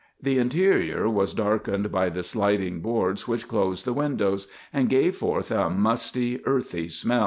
The interior was darkened by the sliding boards which closed the windows, and gave forth a musty, earthy smell.